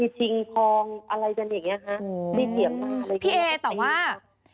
มีชิงพองอะไรจนอย่างนี้ฮะไม่เฉียบมากอะไรอย่างนี้